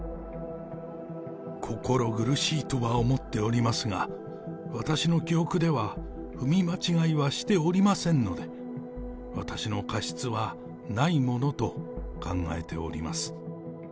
心苦しいとは思っておりますが、私の記憶では踏み間違いはしておりませんので、私の過失はないものと考えております。